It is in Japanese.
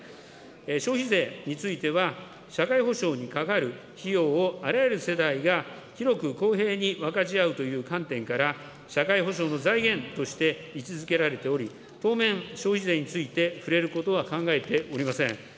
消費税については社会保障にかかる費用をあらゆる世代が広く公平に分かち合うという観点から、社会保障の財源として位置づけられており、当面、消費税について触れることは考えておりません。